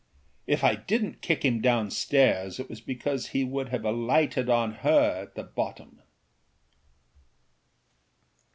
If I didnât kick him downstairs it was because he would have alighted on her at the bottom.